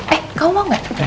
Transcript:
eh kamu mau gak